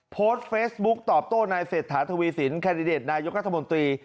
โพสต์เฟซบุ๊กตอบโต้นายเศรษฐาทวีสินแคนดิเดตนายกรัฐมนตรี